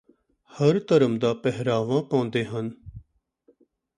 ਹਰ ਧਰਮ ਦਾ ਪਹਿਰਾਵਾਂ ਪਾਉਂਦੇ ਹਨ